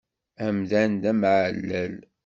Amdan d ameεlal.